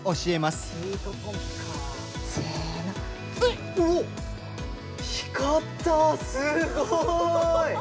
すごい。